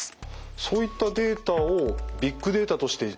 そういったデータをビッグデータとして利用するメリット